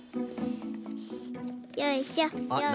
よいしょよいしょ。